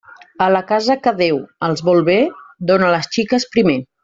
A la casa que Déu els vol bé, dóna les xiques primer.